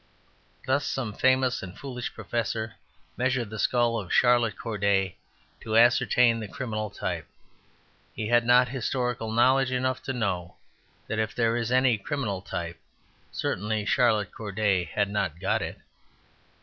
Thus some famous and foolish professor measured the skull of Charlotte Corday to ascertain the criminal type; he had not historical knowledge enough to know that if there is any "criminal type," certainly Charlotte Corday had not got it.